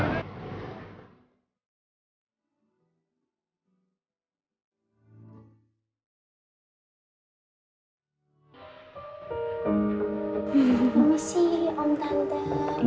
ini sih om tante